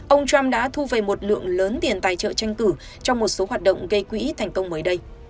ông trump đã thu về một lượng lớn tiền tài trợ tranh cử trong một số hoạt động gây quỹ thành công mới đây